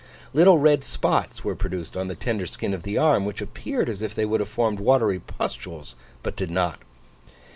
Little red spots were produced on the tender skin of the arm, which appeared as if they would have formed watery pustules, but did not.